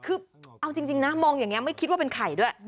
คือเอาจริงนะมองอย่างนี้ไม่คิดว่าเป็นไข่ด้วย